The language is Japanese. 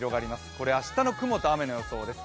これ、明日の雲と雨の予想です。